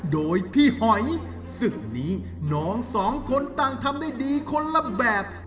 โดยพี่หอยศึกนี้น้องสองคนต่างทำได้ดีคนละแบบ